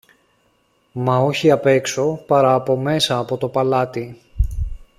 μα όχι απ' έξω, παρά από μέσα από το παλάτι.